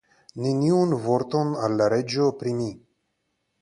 Neniun vorton al la reĝo pri mi.